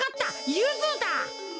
ゆずだ！